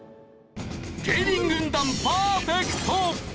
芸人軍団パーフェクト！